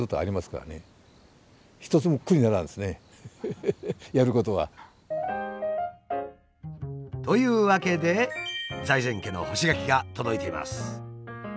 フフフやることは。というわけで財前家の干し柿が届いています。